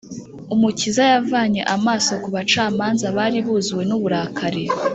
umukiza yavanye amaso ku bacamanza bari buzuwe n’uburakari,